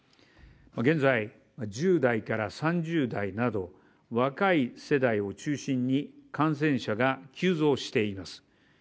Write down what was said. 現在、１０代から３０代など若い世代を中心に感染者が急増しています。